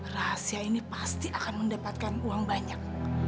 rahasia ini pasti akan mendapatkan uang banyak